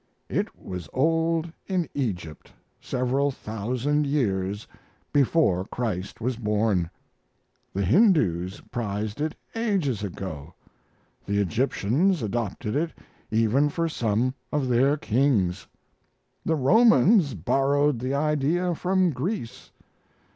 It was old in Egypt several thousand years before Christ was born. The Hindus prized it ages ago. The Egyptians adopted it even for some of their kings. The Romans borrowed the idea from Greece.